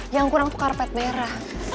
yang kurang tuh karpet merah